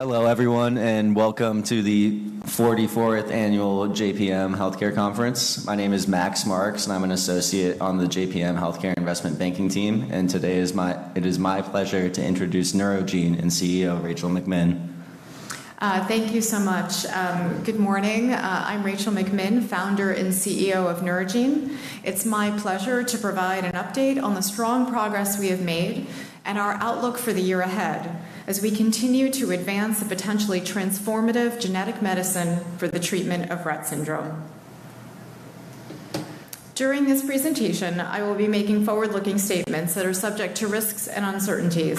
Hello, everyone, and welcome to the 44th Annual JPM Healthcare Conference. My name is Max Marks, and I'm an associate on the JPM Healthcare Investment Banking team. And today it is my pleasure to introduce Neurogene and CEO Rachel McMinn. Thank you so much. Good morning. I'm Rachel McMinn, founder and CEO of Neurogene. It's my pleasure to provide an update on the strong progress we have made and our outlook for the year ahead as we continue to advance the potentially transformative genetic medicine for the treatment of Rett syndrome. During this presentation, I will be making forward-looking statements that are subject to risks and uncertainties.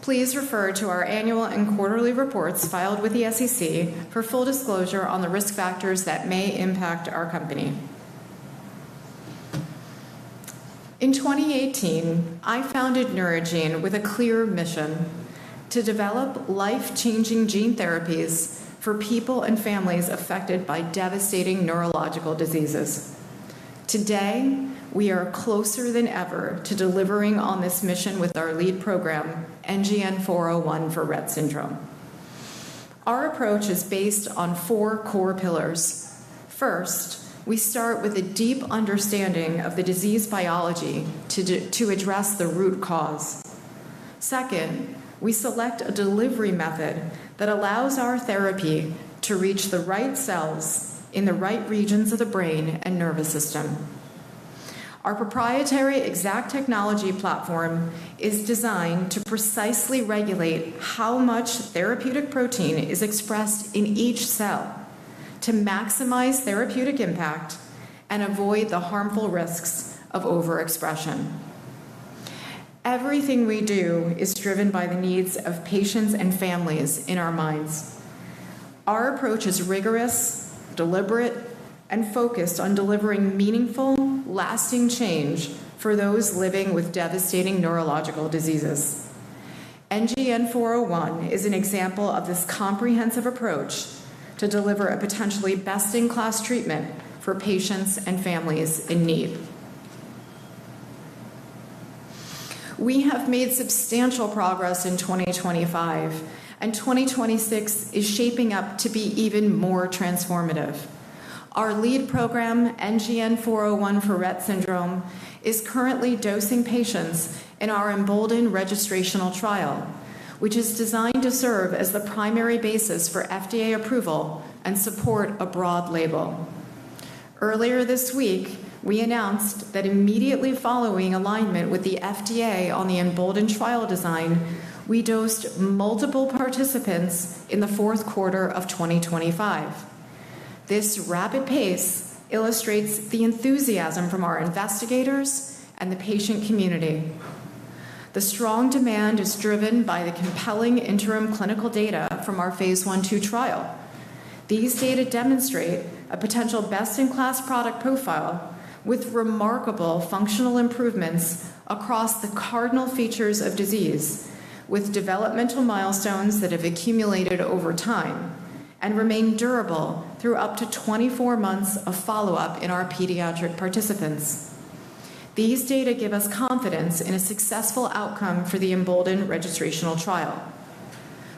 Please refer to our annual and quarterly reports filed with the SEC for full disclosure on the risk factors that may impact our company. In 2018, I founded Neurogene with a clear mission: to develop life-changing gene therapies for people and families affected by devastating neurological diseases. Today, we are closer than ever to delivering on this mission with our lead program, NGN-401 for Rett syndrome. Our approach is based on four core pillars. First, we start with a deep understanding of the disease biology to address the root cause. Second, we select a delivery method that allows our therapy to reach the right cells in the right regions of the brain and nervous system. Our proprietary EXACT technology platform is designed to precisely regulate how much therapeutic protein is expressed in each cell to maximize therapeutic impact and avoid the harmful risks of overexpression. Everything we do is driven by the needs of patients and families in our minds. Our approach is rigorous, deliberate, and focused on delivering meaningful, lasting change for those living with devastating neurological diseases. NGN-401 is an example of this comprehensive approach to deliver a potentially best-in-class treatment for patients and families in need. We have made substantial progress in 2025, and 2026 is shaping up to be even more transformative. Our lead program, NGN-401 for Rett syndrome, is currently dosing patients in our Embolden registrational trial, which is designed to serve as the primary basis for FDA approval and support a broad label. Earlier this week, we announced that immediately following alignment with the FDA on the Embolden trial design, we dosed multiple participants in the fourth quarter of 2025. This rapid pace illustrates the enthusiasm from our investigators and the patient community. The strong demand is driven by the compelling interim clinical data from Phase I/II trial. These data demonstrate a potential best-in-class product profile with remarkable functional improvements across the cardinal features of disease, with developmental milestones that have accumulated over time and remain durable through up to 24 months of follow-up in our pediatric participants. These data give us confidence in a successful outcome for the Embolden registrational trial.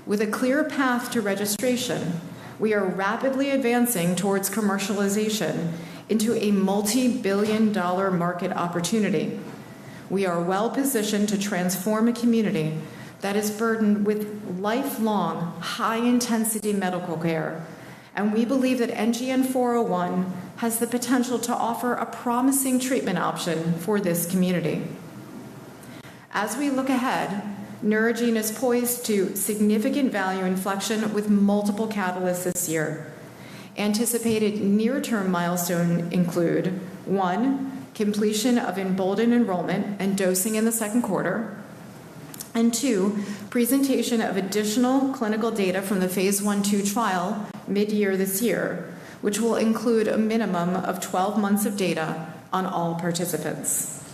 With a clear path to registration, we are rapidly advancing towards commercialization into a multi-billion-dollar market opportunity. We are well-positioned to transform a community that is burdened with lifelong, high-intensity medical care, and we believe that NGN-401 has the potential to offer a promising treatment option for this community. As we look ahead, Neurogene is poised to significant value inflection with multiple catalysts this year. Anticipated near-term milestones include: one, completion of Embolden enrollment and dosing in the second quarter; and two, presentation of additional clinical data from Phase I/II trial mid-year this year, which will include a minimum of 12 months of data on all participants.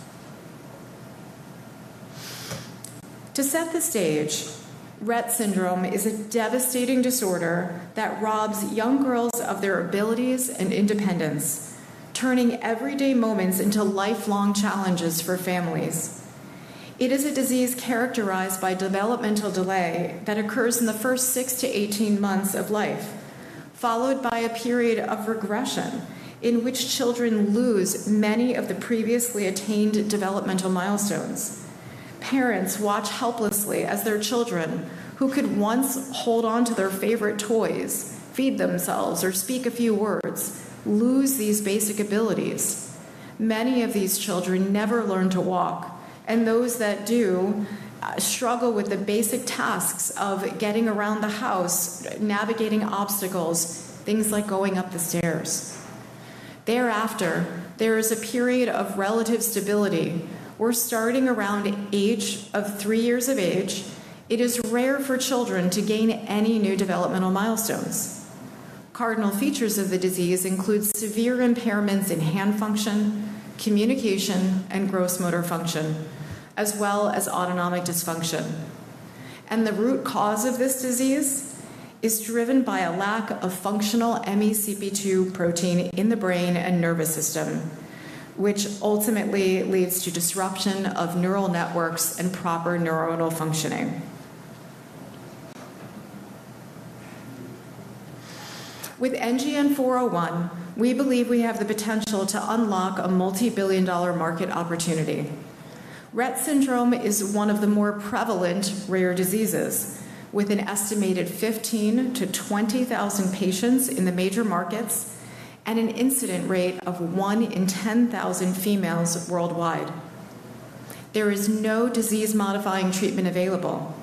To set the stage, Rett syndrome is a devastating disorder that robs young girls of their abilities and independence, turning everyday moments into lifelong challenges for families. It is a disease characterized by developmental delay that occurs in the first six to 18 months of life, followed by a period of regression in which children lose many of the previously attained developmental milestones. Parents watch helplessly as their children, who could once hold on to their favorite toys, feed themselves, or speak a few words, lose these basic abilities. Many of these children never learn to walk, and those that do struggle with the basic tasks of getting around the house, navigating obstacles, things like going up the stairs. Thereafter, there is a period of relative stability. We're starting around the age of three years of age. It is rare for children to gain any new developmental milestones. Cardinal features of the disease include severe impairments in hand function, communication, and gross motor function, as well as autonomic dysfunction. The root cause of this disease is driven by a lack of functional MeCP2 protein in the brain and nervous system, which ultimately leads to disruption of neural networks and proper neuronal functioning. With NGN-401, we believe we have the potential to unlock a multi-billion-dollar market opportunity. Rett syndrome is one of the more prevalent rare diseases, with an estimated 15,000-20,000 patients in the major markets and an incidence rate of one in 10,000 females worldwide. There is no disease-modifying treatment available,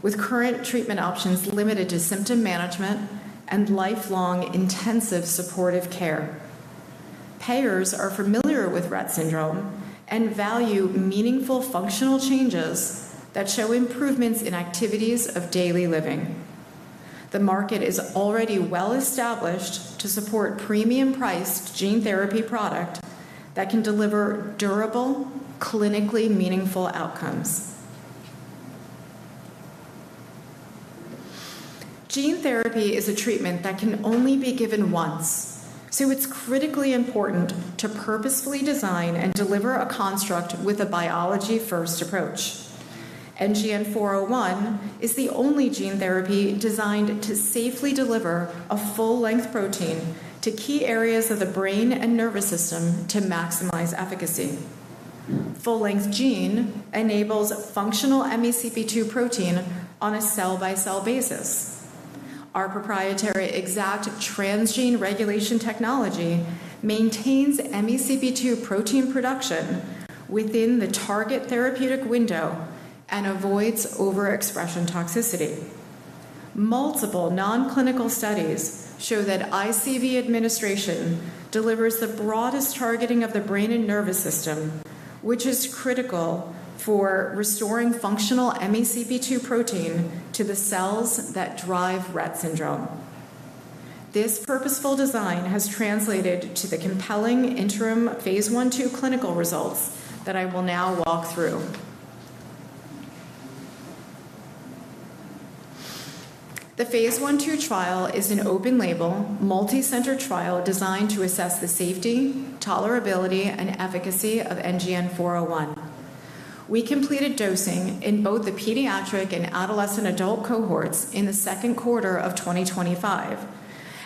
with current treatment options limited to symptom management and lifelong intensive supportive care. Payers are familiar with Rett syndrome and value meaningful functional changes that show improvements in activities of daily living. The market is already well-established to support premium-priced gene therapy product that can deliver durable, clinically meaningful outcomes. Gene therapy is a treatment that can only be given once, so it's critically important to purposefully design and deliver a construct with a biology-first approach. NGN-401 is the only gene therapy designed to safely deliver a full-length protein to key areas of the brain and nervous system to maximize efficacy. Full-length gene enables functional MeCP2 protein on a cell-by-cell basis. Our proprietary EXACT transgene regulation technology maintains MeCP2 protein production within the target therapeutic window and avoids overexpression toxicity. Multiple nonclinical studies show that ICV administration delivers the broadest targeting of the brain and nervous system, which is critical for restoring functional MeCP2 protein to the cells that drive Rett syndrome. This purposeful design has translated to the compelling Phase I/II clinical results that I will now walk through. Phase I/II trial is an open-label, multi-center trial designed to assess the safety, tolerability, and efficacy of NGN-401. We completed dosing in both the pediatric and adolescent adult cohorts in the second quarter of 2025,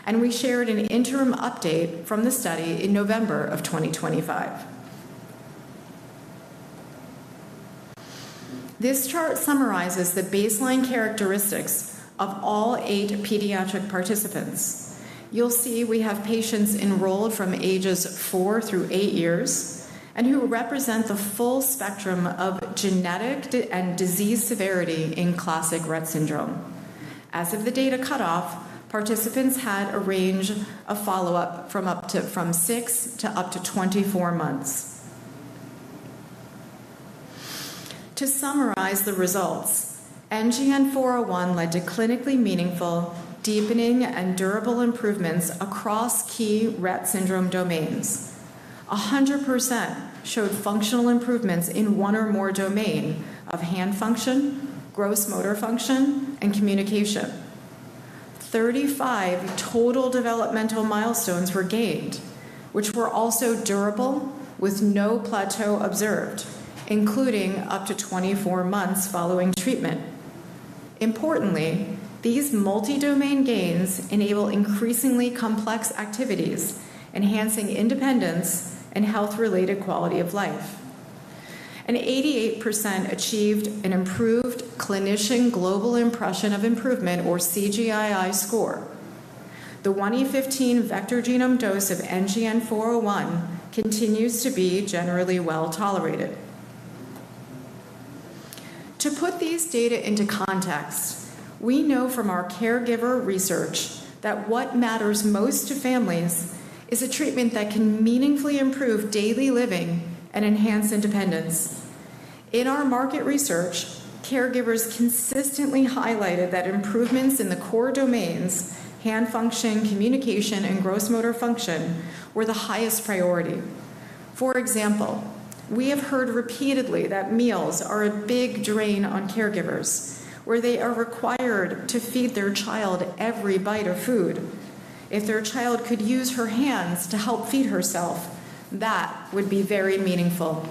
and we shared an interim update from the study in November of 2025. This chart summarizes the baseline characteristics of all eight pediatric participants. You'll see we have patients enrolled from ages four through eight years and who represent the full spectrum of genetic and disease severity in classic Rett syndrome. As of the data cutoff, participants had a range of follow-up from six to up to 24 months. To summarize the results, NGN-401 led to clinically meaningful, deepening, and durable improvements across key Rett syndrome domains. 100% showed functional improvements in one or more domains of hand function, gross motor function, and communication. 35 total developmental milestones were gained, which were also durable, with no plateau observed, including up to 24 months following treatment. Importantly, these multi-domain gains enable increasingly complex activities, enhancing independence and health-related quality of life. An 88% achieved an improved Clinician Global Impression of Improvement, or CGI-I score. The 1E15 vector genome dose of NGN-401 continues to be generally well tolerated. To put these data into context, we know from our caregiver research that what matters most to families is a treatment that can meaningfully improve daily living and enhance independence. In our market research, caregivers consistently highlighted that improvements in the core domains, hand function, communication, and gross motor function, were the highest priority. For example, we have heard repeatedly that meals are a big drain on caregivers, where they are required to feed their child every bite of food. If their child could use her hands to help feed herself, that would be very meaningful.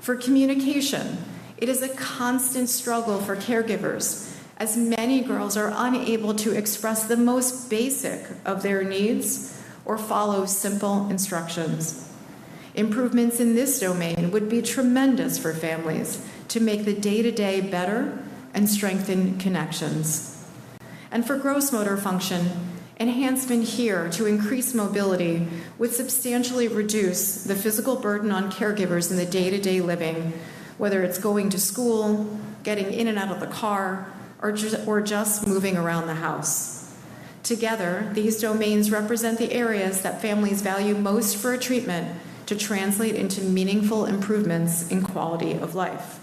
For communication, it is a constant struggle for caregivers, as many girls are unable to express the most basic of their needs or follow simple instructions. Improvements in this domain would be tremendous for families to make the day-to-day better and strengthen connections. And for gross motor function, enhancement here to increase mobility would substantially reduce the physical burden on caregivers in the day-to-day living, whether it's going to school, getting in and out of the car, or just moving around the house. Together, these domains represent the areas that families value most for a treatment to translate into meaningful improvements in quality of life.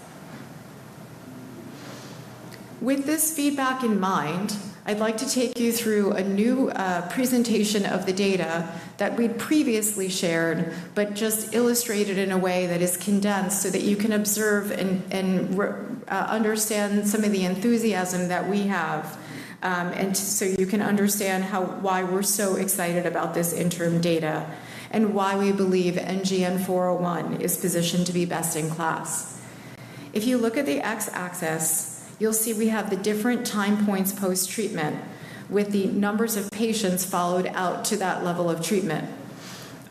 With this feedback in mind, I'd like to take you through a new presentation of the data that we'd previously shared, but just illustrated in a way that is condensed so that you can observe and understand some of the enthusiasm that we have, and so you can understand why we're so excited about this interim data and why we believe NGN-401 is positioned to be best in class. If you look at the x-axis, you'll see we have the different time points post-treatment with the numbers of patients followed out to that level of treatment.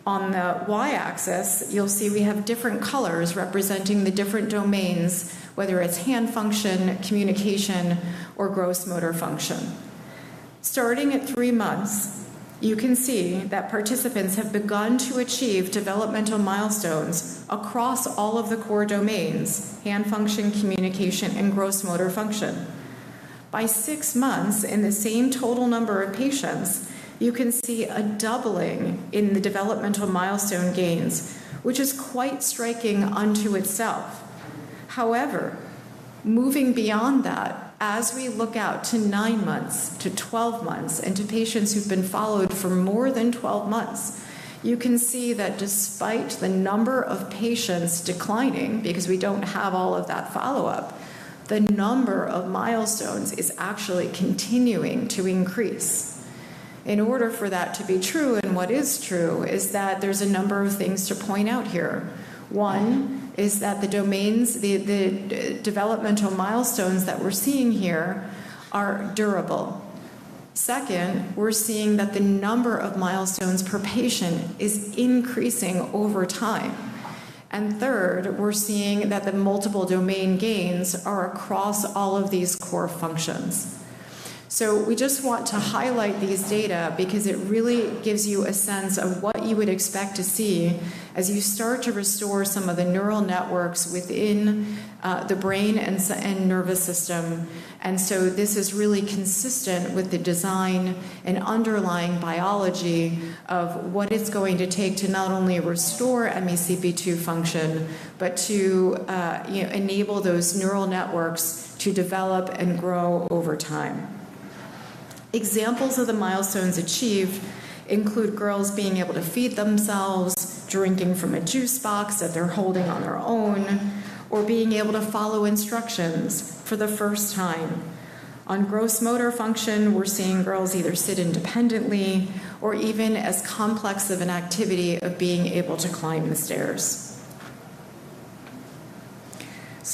On the y-axis, you'll see we have different colors representing the different domains, whether it's hand function, communication, or gross motor function. Starting at three months, you can see that participants have begun to achieve developmental milestones across all of the core domains, hand function, communication, and gross motor function. By six months, in the same total number of patients, you can see a doubling in the developmental milestone gains, which is quite striking in and of itself. However, moving beyond that, as we look out to nine months, to 12 months, and to patients who've been followed for more than 12 months, you can see that despite the number of patients declining, because we don't have all of that follow-up, the number of milestones is actually continuing to increase. In order for that to be true, and what is true is that there's a number of things to point out here. One is that the domains, the developmental milestones that we're seeing here are durable. Second, we're seeing that the number of milestones per patient is increasing over time. And third, we're seeing that the multiple domain gains are across all of these core functions. We just want to highlight these data because it really gives you a sense of what you would expect to see as you start to restore some of the neural networks within the brain and nervous system. And so this is really consistent with the design and underlying biology of what it's going to take to not only restore MECP2 function, but to enable those neural networks to develop and grow over time. Examples of the milestones achieved include girls being able to feed themselves, drinking from a juice box that they're holding on their own, or being able to follow instructions for the first time. On gross motor function, we're seeing girls either sit independently or even as complex of an activity of being able to climb the stairs.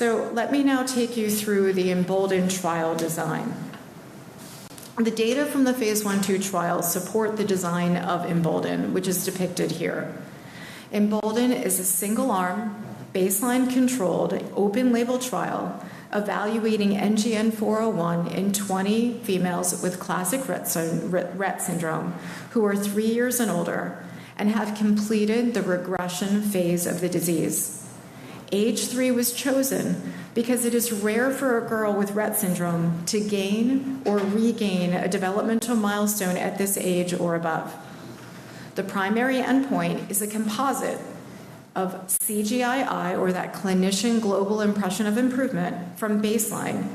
Let me now take you through the Embolden trial design. The data from Phase I/II trial support the design of Embolden, which is depicted here. Embolden is a single-arm, baseline-controlled, open-label trial evaluating NGN-401 in 20 females with classic Rett syndrome who are three years and older and have completed the regression phase of the disease. Age three was chosen because it is rare for a girl with Rett syndrome to gain or regain a developmental milestone at this age or above. The primary endpoint is a composite of CGI-I, or that clinician global impression of improvement, from baseline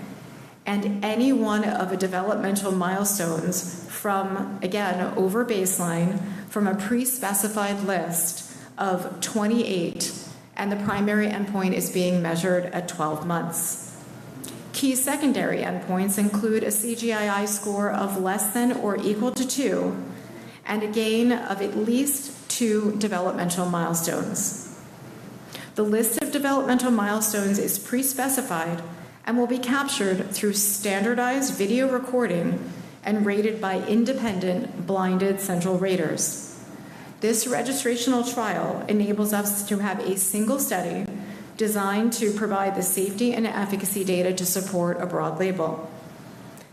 and any one of the developmental milestones from, again, over baseline from a pre-specified list of 28, and the primary endpoint is being measured at 12 months. Key secondary endpoints include a CGI-I score of less than or equal to two and a gain of at least two developmental milestones. The list of developmental milestones is pre-specified and will be captured through standardized video recording and rated by independent blinded central raters. This registrational trial enables us to have a single study designed to provide the safety and efficacy data to support a broad label.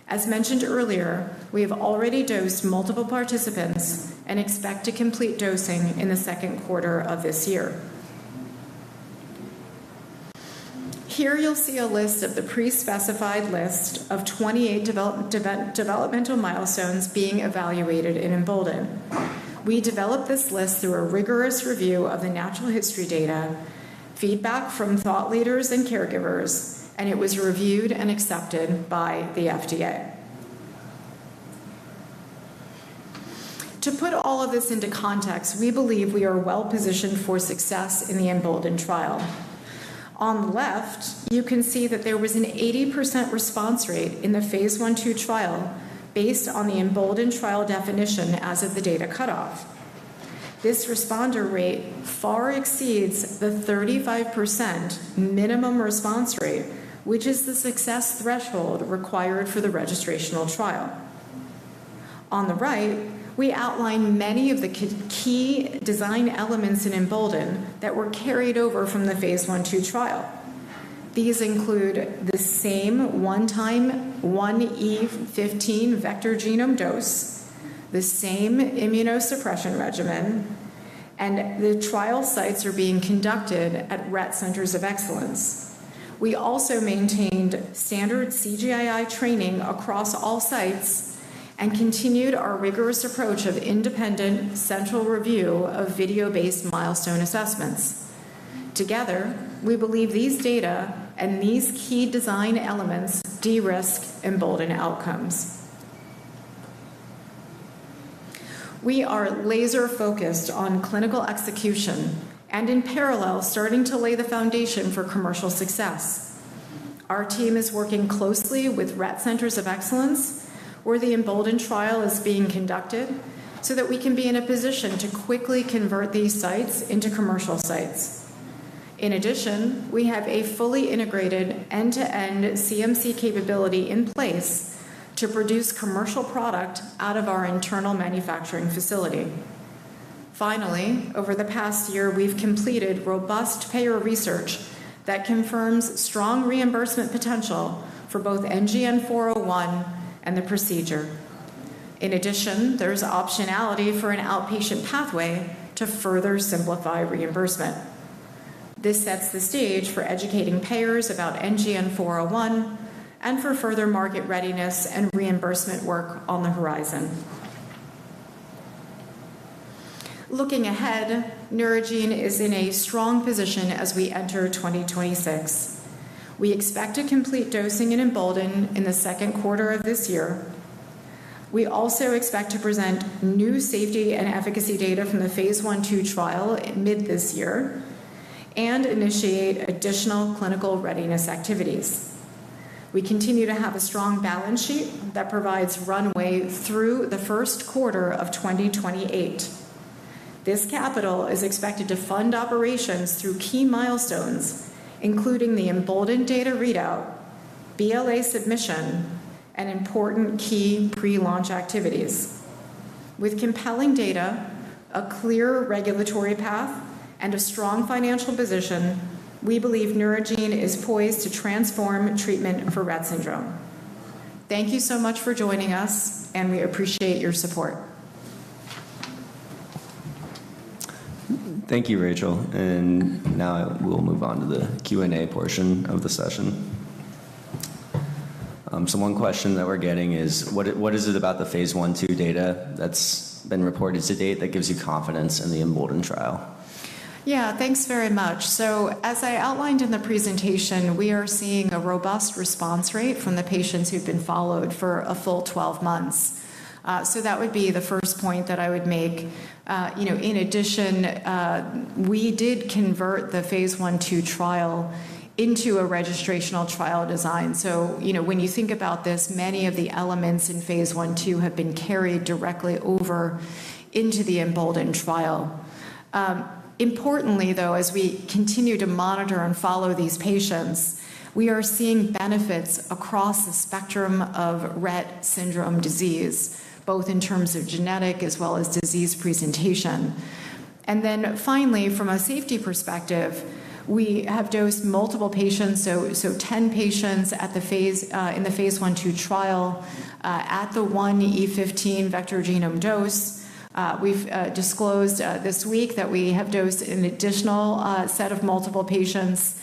As mentioned earlier, we have already dosed multiple participants and expect to complete dosing in the second quarter of this year. Here you'll see a list of the pre-specified list of 28 developmental milestones being evaluated in Embolden. We developed this list through a rigorous review of the natural history data, feedback from thought leaders and caregivers, and it was reviewed and accepted by the FDA. To put all of this into context, we believe we are well-positioned for success in the Embolden trial. On the left, you can see that there was an 80% response rate in Phase I/II trial based on the Embolden trial definition as of the data cutoff. This responder rate far exceeds the 35% minimum response rate, which is the success threshold required for the registrational trial. On the right, we outline many of the key design elements in Embolden that were carried over from Phase I/II trial. These include the same one-time 1E15 vector genome dose, the same immunosuppression regimen, and the trial sites are being conducted at Rett Centers of Excellence. We also maintained standard CGI-I training across all sites and continued our rigorous approach of independent central review of video-based milestone assessments. Together, we believe these data and these key design elements de-risk Embolden outcomes. We are laser-focused on clinical execution and, in parallel, starting to lay the foundation for commercial success. Our team is working closely with Rett Centers of Excellence where the Embolden trial is being conducted so that we can be in a position to quickly convert these sites into commercial sites. In addition, we have a fully integrated end-to-end CMC capability in place to produce commercial product out of our internal manufacturing facility. Finally, over the past year, we've completed robust payer research that confirms strong reimbursement potential for both NGN-401 and the procedure. In addition, there's optionality for an outpatient pathway to further simplify reimbursement. This sets the stage for educating payers about NGN-401 and for further market readiness and reimbursement work on the horizon. Looking ahead, Neurogene is in a strong position as we enter 2026. We expect to complete dosing in Embolden in the second quarter of this year. We also expect to present new safety and efficacy data from Phase I/II trial mid this year and initiate additional clinical readiness activities. We continue to have a strong balance sheet that provides runway through the first quarter of 2028. This capital is expected to fund operations through key milestones, including the Embolden data readout, BLA submission, and important key pre-launch activities. With compelling data, a clear regulatory path, and a strong financial position, we believe Neurogene is poised to transform treatment for Rett syndrome. Thank you so much for joining us, and we appreciate your support. Thank you, Rachel. And now we'll move on to the Q&A portion of the session. So one question that we're getting is, what is it about Phase I/II data that's been reported to date that gives you confidence in the Embolden trial? Yeah, thanks very much. As I outlined in the presentation, we are seeing a robust response rate from the patients who've been followed for a full 12 months. That would be the first point that I would make. In addition, we did convert Phase I/II trial into a registrational trial design. When you think about this, many of the elements Phase I/II have been carried directly over into the Embolden trial. Importantly, though, as we continue to monitor and follow these patients, we are seeing benefits across the spectrum of Rett syndrome disease, both in terms of genetic as well as disease presentation, and then finally, from a safety perspective, we have dosed multiple patients, so 10 patients in Phase I/II trial at the 1E15 vector genome dose. We've disclosed this week that we have dosed an additional set of multiple patients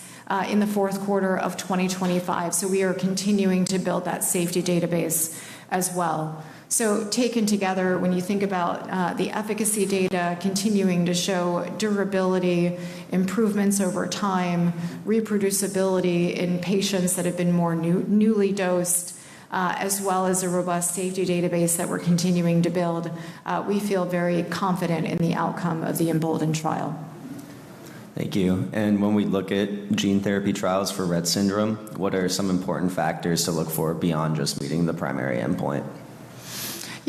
in the fourth quarter of 2025. So we are continuing to build that safety database as well. So taken together, when you think about the efficacy data continuing to show durability, improvements over time, reproducibility in patients that have been more newly dosed, as well as a robust safety database that we're continuing to build, we feel very confident in the outcome of the Embolden trial. Thank you. And when we look at gene therapy trials for Rett syndrome, what are some important factors to look for beyond just meeting the primary endpoint?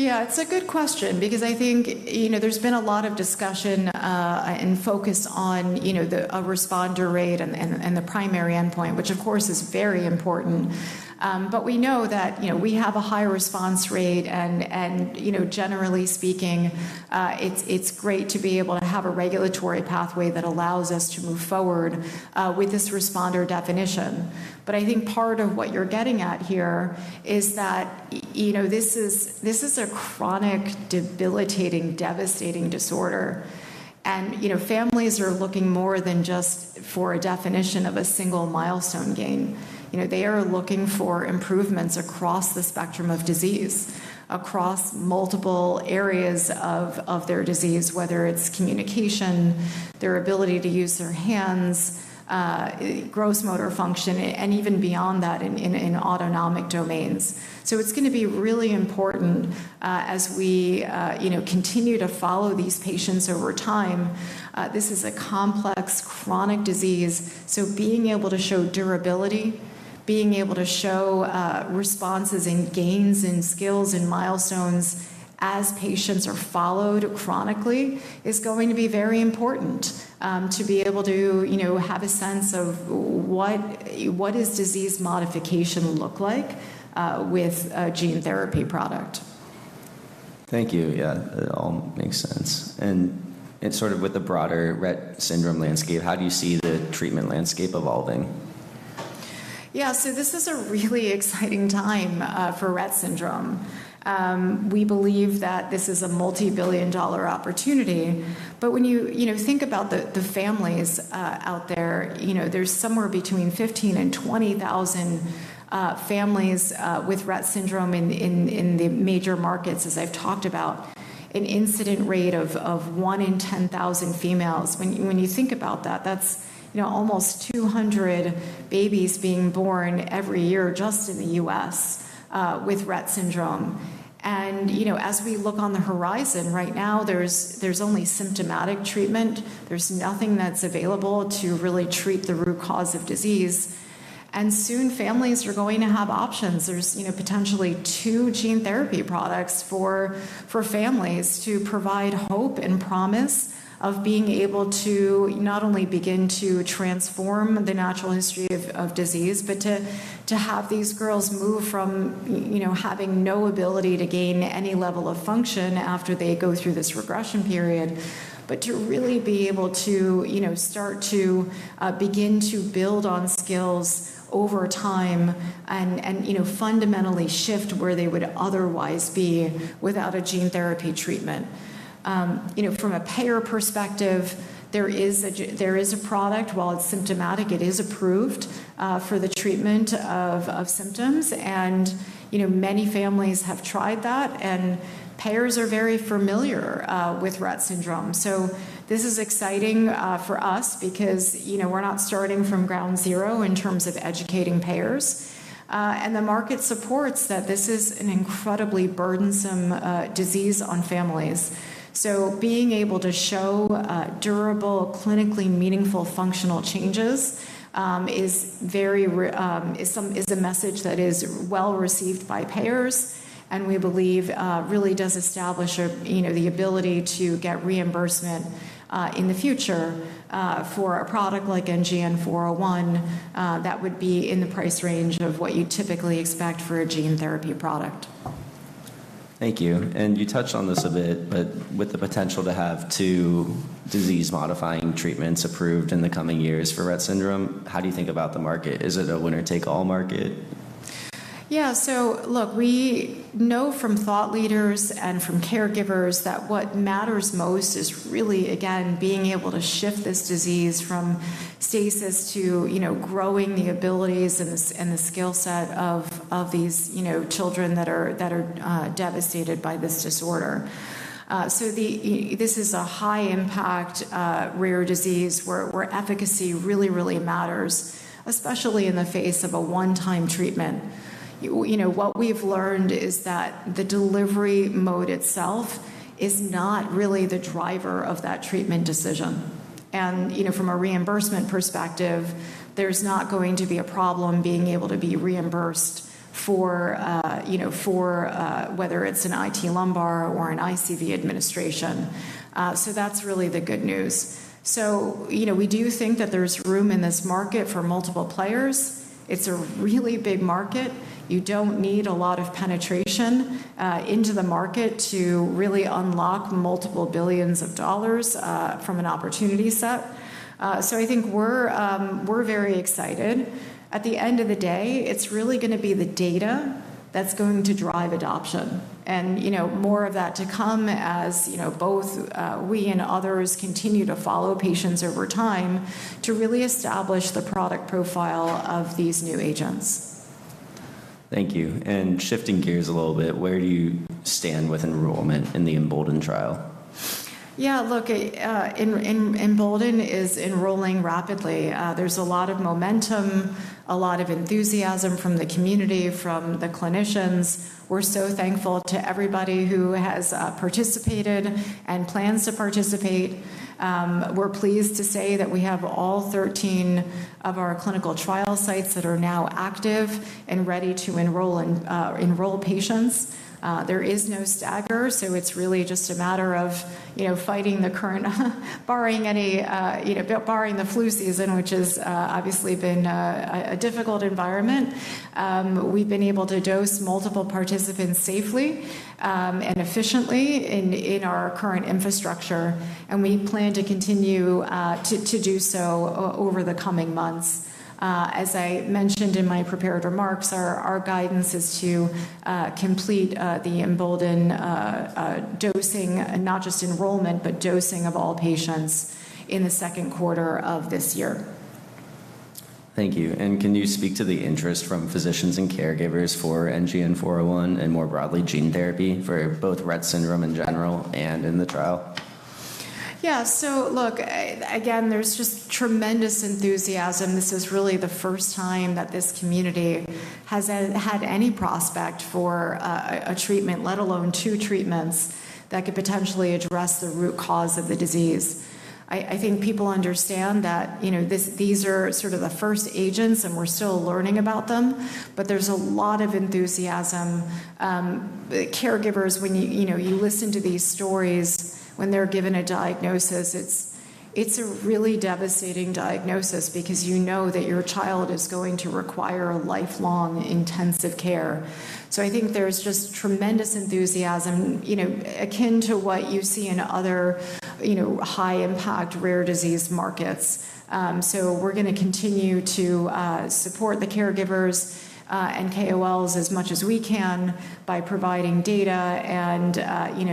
Yeah, it's a good question because I think there's been a lot of discussion and focus on the responder rate and the primary endpoint, which of course is very important. But we know that we have a high response rate, and generally speaking, it's great to be able to have a regulatory pathway that allows us to move forward with this responder definition. But I think part of what you're getting at here is that this is a chronic, debilitating, devastating disorder. And families are looking more than just for a definition of a single milestone gain. They are looking for improvements across the spectrum of disease, across multiple areas of their disease, whether it's communication, their ability to use their hands, gross motor function, and even beyond that in autonomic domains. So it's going to be really important as we continue to follow these patients over time. This is a complex, chronic disease. So being able to show durability, being able to show responses and gains in skills and milestones as patients are followed chronically is going to be very important to be able to have a sense of what does disease modification look like with a gene therapy product? Thank you. Yeah, it all makes sense. And sort of with the broader Rett syndrome landscape, how do you see the treatment landscape evolving? Yeah, so this is a really exciting time for Rett syndrome. We believe that this is a multi-billion dollar opportunity. But when you think about the families out there, there's somewhere between 15 and 20,000 families with Rett syndrome in the major markets, as I've talked about, an incidence rate of one in 10,000 females. When you think about that, that's almost 200 babies being born every year just in the U.S. with Rett syndrome. And as we look on the horizon right now, there's only symptomatic treatment. There's nothing that's available to really treat the root cause of disease. And soon, families are going to have options. There's potentially two gene therapy products for families to provide hope and promise of being able to not only begin to transform the natural history of disease, but to have these girls move from having no ability to gain any level of function after they go through this regression period, but to really be able to start to begin to build on skills over time and fundamentally shift where they would otherwise be without a gene therapy treatment. From a payer perspective, there is a product. While it's symptomatic, it is approved for the treatment of symptoms, and many families have tried that, and payers are very familiar with Rett syndrome, so this is exciting for us because we're not starting from ground zero in terms of educating payers, and the market supports that this is an incredibly burdensome disease on families. Being able to show durable, clinically meaningful functional changes is a message that is well received by payers. And we believe really does establish the ability to get reimbursement in the future for a product like NGN-401 that would be in the price range of what you typically expect for a gene therapy product. Thank you. And you touched on this a bit, but with the potential to have two disease-modifying treatments approved in the coming years for Rett syndrome, how do you think about the market? Is it a winner-take-all market? Yeah. Look, we know from thought leaders and from caregivers that what matters most is really, again, being able to shift this disease from stasis to growing the abilities and the skill set of these children that are devastated by this disorder. So this is a high-impact rare disease where efficacy really, really matters, especially in the face of a one-time treatment. What we've learned is that the delivery mode itself is not really the driver of that treatment decision. And from a reimbursement perspective, there's not going to be a problem being able to be reimbursed for whether it's an IT lumbar or an ICV administration. So that's really the good news. So we do think that there's room in this market for multiple players. It's a really big market. You don't need a lot of penetration into the market to really unlock multiple billions of dollars from an opportunity set. So I think we're very excited. At the end of the day, it's really going to be the data that's going to drive adoption. And more of that to come as both we and others continue to follow patients over time to really establish the product profile of these new agents. Thank you. And shifting gears a little bit, where do you stand with enrollment in the Embolden trial? Yeah, look, Embolden is enrolling rapidly. There's a lot of momentum, a lot of enthusiasm from the community, from the clinicians. We're so thankful to everybody who has participated and plans to participate. We're pleased to say that we have all 13 of our clinical trial sites that are now active and ready to enroll patients. There is no staggering, so it's really just a matter of fighting the current, barring the flu season, which has obviously been a difficult environment. We've been able to dose multiple participants safely and efficiently in our current infrastructure. We plan to continue to do so over the coming months. As I mentioned in my prepared remarks, our guidance is to complete the Embolden dosing, not just enrollment, but dosing of all patients in the second quarter of this year. Thank you. Can you speak to the interest from physicians and caregivers for NGN-401 and more broadly, gene therapy for both Rett syndrome in general and in the trial? Yeah. So look, again, there's just tremendous enthusiasm. This is really the first time that this community has had any prospect for a treatment, let alone two treatments that could potentially address the root cause of the disease. I think people understand that these are sort of the first agents, and we're still learning about them. But there's a lot of enthusiasm. Caregivers, when you listen to these stories, when they're given a diagnosis, it's a really devastating diagnosis because you know that your child is going to require lifelong intensive care. So I think there's just tremendous enthusiasm, akin to what you see in other high-impact rare disease markets. So we're going to continue to support the caregivers and KOLs as much as we can by providing data and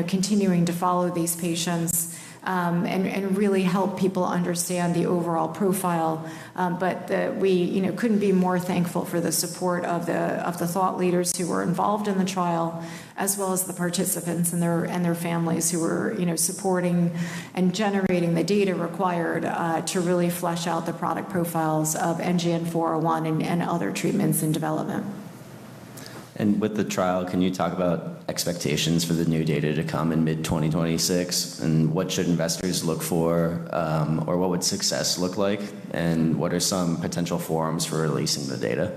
continuing to follow these patients and really help people understand the overall profile. But we couldn't be more thankful for the support of the thought leaders who were involved in the trial, as well as the participants and their families who were supporting and generating the data required to really flesh out the product profiles of NGN-401 and other treatments in development. And with the trial, can you talk about expectations for the new data to come in mid-2026? What should investors look for, or what would success look like, and what are some potential forms for releasing the data?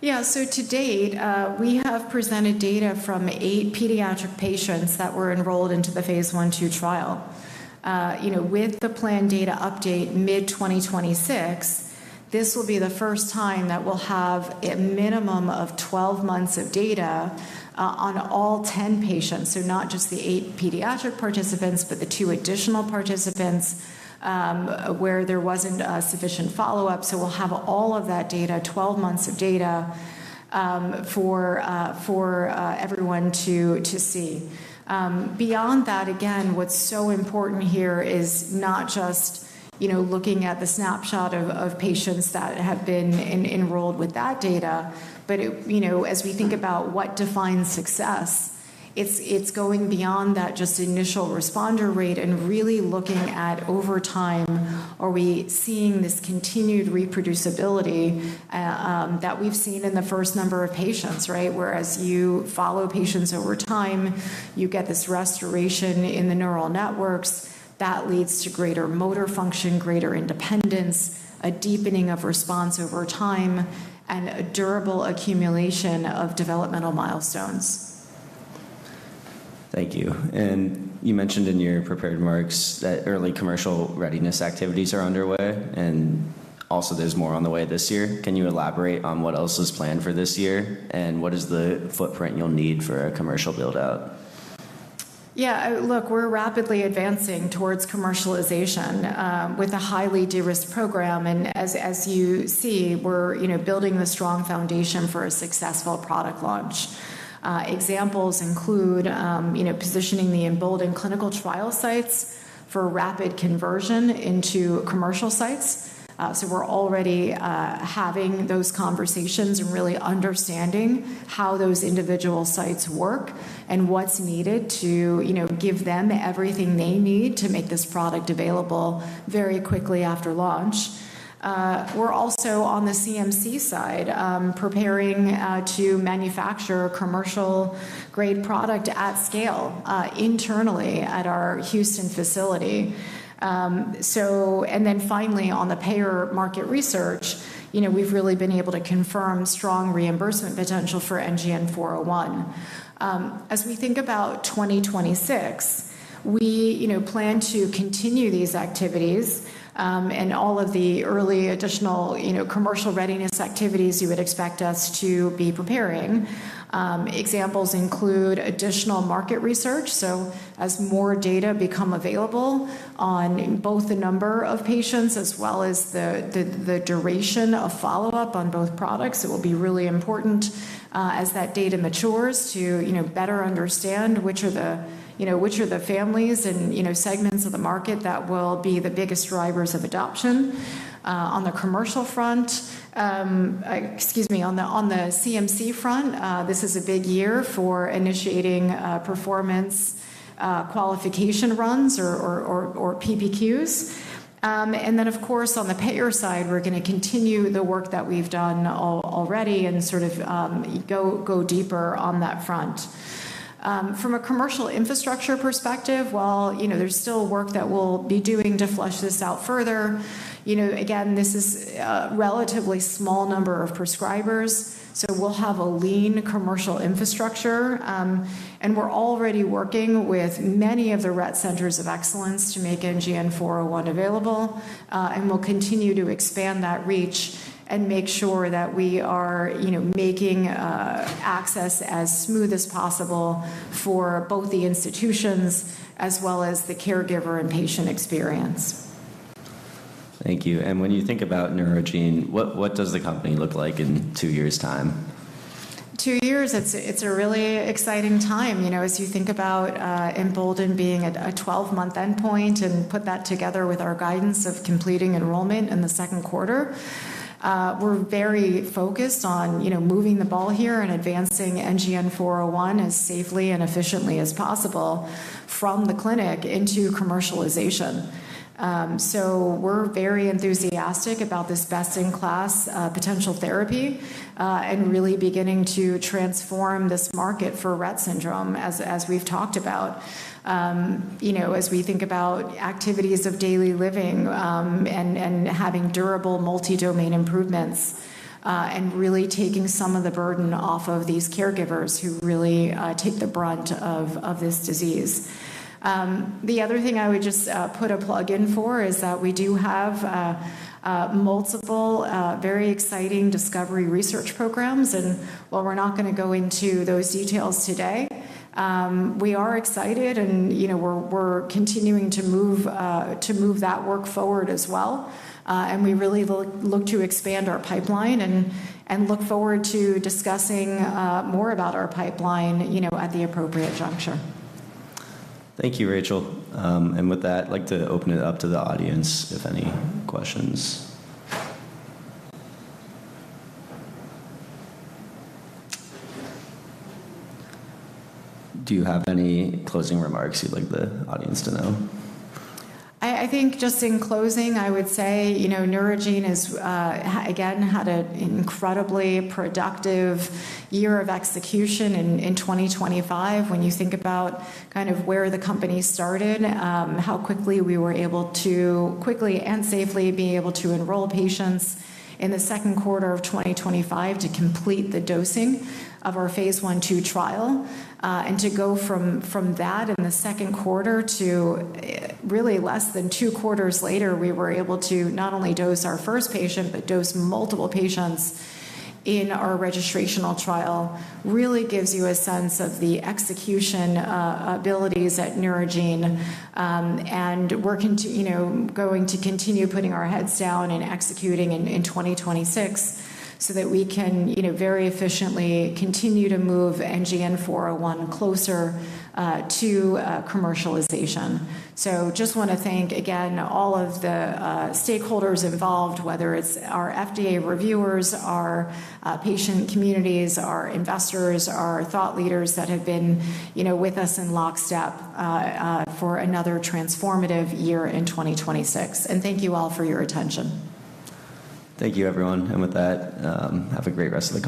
Yeah. So to date, we have presented data from eight pediatric patients that were enrolled into Phase I/II trial. With the planned data update mid-2026, this will be the first time that we'll have a minimum of 12 months of data on all 10 patients. So not just the eight pediatric participants, but the two additional participants where there wasn't sufficient follow-up. So we'll have all of that data, 12 months of data for everyone to see. Beyond that, again, what's so important here is not just looking at the snapshot of patients that have been enrolled with that data, but as we think about what defines success, it's going beyond that just initial responder rate and really looking at over time, are we seeing this continued reproducibility that we've seen in the first number of patients, right? Whereas you follow patients over time, you get this restoration in the neural networks that leads to greater motor function, greater independence, a deepening of response over time, and a durable accumulation of developmental milestones. Thank you. And you mentioned in your prepared remarks that early commercial readiness activities are underway, and also there's more on the way this year. Can you elaborate on what else is planned for this year, and what is the footprint you'll need for a commercial build-out? Yeah. Look, we're rapidly advancing towards commercialization with a highly de-risked program, and as you see, we're building a strong foundation for a successful product launch. Examples include positioning the Embolden clinical trial sites for rapid conversion into commercial sites, so we're already having those conversations and really understanding how those individual sites work and what's needed to give them everything they need to make this product available very quickly after launch. We're also on the CMC side preparing to manufacture a commercial-grade product at scale internally at our Houston facility, and then finally, on the payer market research, we've really been able to confirm strong reimbursement potential for NGN-401. As we think about 2026, we plan to continue these activities and all of the early additional commercial readiness activities you would expect us to be preparing. Examples include additional market research. So as more data become available on both the number of patients as well as the duration of follow-up on both products, it will be really important as that data matures to better understand which are the families and segments of the market that will be the biggest drivers of adoption. On the commercial front, excuse me, on the CMC front, this is a big year for initiating performance qualification runs or PPQs. And then, of course, on the payer side, we're going to continue the work that we've done already and sort of go deeper on that front. From a commercial infrastructure perspective, while there's still work that we'll be doing to flesh this out further, again, this is a relatively small number of prescribers. So we'll have a lean commercial infrastructure. And we're already working with many of the Rett Centers of Excellence to make NGN-401 available. And we'll continue to expand that reach and make sure that we are making access as smooth as possible for both the institutions as well as the caregiver and patient experience. Thank you. And when you think about Neurogene, what does the company look like in two years' time? Two years, it's a really exciting time. As you think about Embolden being a 12-month endpoint and put that together with our guidance of completing enrollment in the second quarter, we're very focused on moving the ball here and advancing NGN-401 as safely and efficiently as possible from the clinic into commercialization. So we're very enthusiastic about this best-in-class potential therapy and really beginning to transform this market for Rett syndrome as we've talked about. As we think about activities of daily living and having durable multi-domain improvements and really taking some of the burden off of these caregivers who really take the brunt of this disease. The other thing I would just put a plug in for is that we do have multiple very exciting discovery research programs, and while we're not going to go into those details today, we are excited and we're continuing to move that work forward as well, and we really look to expand our pipeline and look forward to discussing more about our pipeline at the appropriate juncture. Thank you, Rachel, and with that, I'd like to open it up to the audience if any questions. Do you have any closing remarks you'd like the audience to know? I think just in closing, I would say Neurogene has, again, had an incredibly productive year of execution in 2025. When you think about kind of where the company started, how quickly we were able to quickly and safely be able to enroll patients in the second quarter of 2025 to complete the dosing of Phase I/II trial and to go from that in the second quarter to really less than two quarters later, we were able to not only dose our first patient, but dose multiple patients in our registrational trial really gives you a sense of the execution abilities at Neurogene and going to continue putting our heads down and executing in 2026 so that we can very efficiently continue to move NGN-401 closer to commercialization. So just want to thank, again, all of the stakeholders involved, whether it's our FDA reviewers, our patient communities, our investors, our thought leaders that have been with us in lockstep for another transformative year in 2026. Thank you all for your attention. Thank you, everyone. With that, have a great rest of the day.